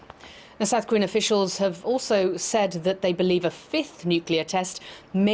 pemerintah south korea juga mengatakan bahwa mereka percaya bahwa tes nuklear kelima